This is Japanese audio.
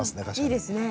いいですね。